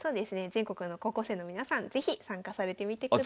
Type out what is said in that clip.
全国の高校生の皆さん是非参加されてみてください。